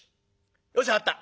よし分かった。